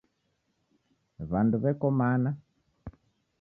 Wandu weko mana